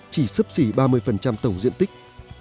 chỉ sấp xỉ ba mươi tổng diện tích